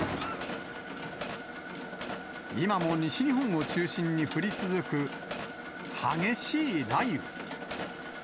今も西日本を中心に降り続く激しい雷雨。